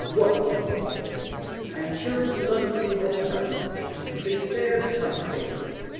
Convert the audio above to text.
"What?" some will say, "I am sure he loveth me well enough; he speaketh fair to my face."